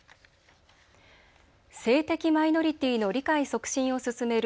性的マイノリティーの理解促進を進める